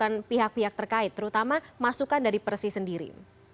antisipasi yang bisa dilakukan pihak pihak terkait terutama masukan dari persis sendiri